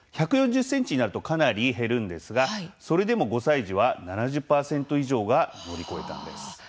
１４０ｃｍになるとかなり減るんですがそれでも５歳児は７０％以上が乗り越えたんです。